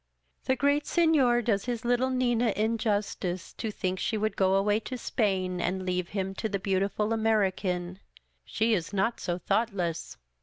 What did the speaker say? " The great Senor does his little Nina injustice to think she would go away to Spain and leave him to the beautiful American. She is not so thoughtless.